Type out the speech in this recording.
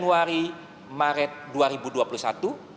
perhitungan rekening januari maret dua ribu dua puluh satu